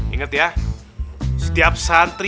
ingat ya setiap santri